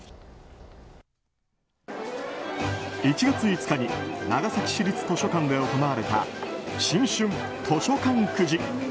１月５日に長崎市立図書館で行われた新春としょかんくじ。